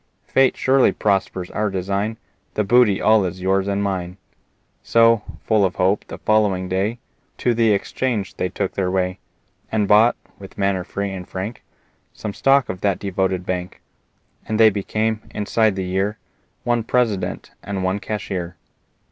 Fate surely prospers our design The booty all is yours and mine." So, full of hope, the following day To the exchange they took their way And bought, with manner free and frank, Some stock of that devoted bank; And they became, inside the year, One President and one Cashier.